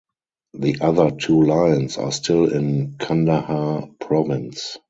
The other two lions are still in Kandahar Province.